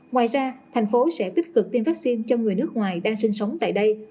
ngoài ra thành phố sẽ tích cực tiêm vaccine cho người nước ngoài đang sinh sống tại đây